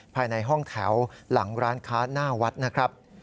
ภายในห้องแถวหลังร้านค้าหน้าวัดนะครับ